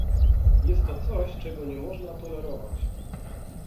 Jest to coś, czego nie można tolerować